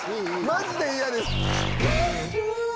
マジで嫌です！